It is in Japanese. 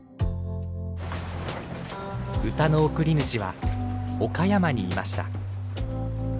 歌の送り主は岡山にいました。